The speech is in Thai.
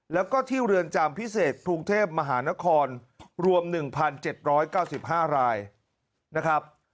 แล้วก็ที่เรือนจำพิเศษกรุงเทพมหานครรวม๑๗๙๕รายนะครับ